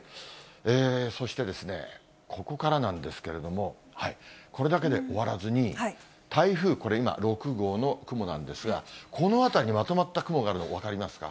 そして、ここからなんですけれども、これだけで終わらずに、台風、これ今６号の雲なんですが、この辺りにまとまった雲があるの、分かりますか。